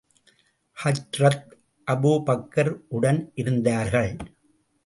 ஹஜ்ரத் Abu Bakr உடன் இருந்தார்கள்.